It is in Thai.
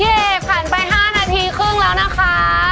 เอผ่านไป๕นาทีครึ่งแล้วนะคะ